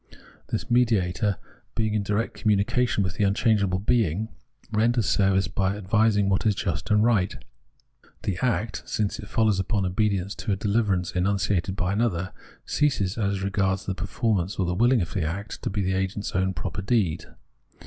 This mediator, being in direct communication with the unchangeable Being, renders service by advising what is just and right. The act, since this foUows upon obedience to a dehver ance enunciated by another, ceases, as regards the per formance or the wilhng of the act, to be the agent's own proper deed.